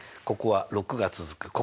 ここは６が続く。